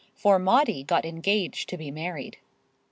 For Maudie got engaged to be married.